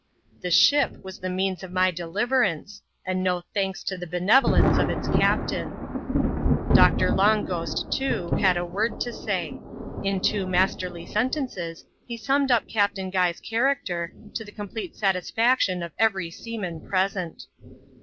The sh^ was the means of my deliverance, and no thanks to the be nevolence of its captain. Doctor Long Ghost, also, had a word to say. In two masterly sentences he summed up Captain Guy's character, to the com* plete satisfaction of every seaman present.